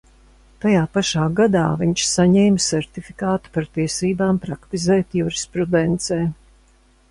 Tajā pašā gadā viņš saņēma sertifikātu par tiesībām praktizēt jurisprudencē.